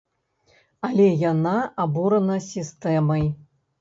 Але яна абурана сістэмай.